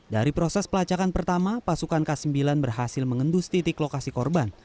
dari proses pelacakan pertama pasukan k sembilan berhasil mengendus titik lokasi korban